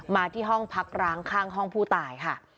มาที่ห้องพักร้างข้างห้องผู้ตายค่ะ